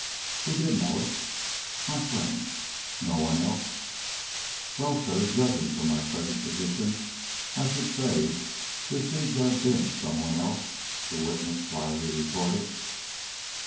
"Who did know it?" "My friend." "No one else?" "Well, sir, judging from my present position, I should say there seems to have been some one else," the witness slyly retorted.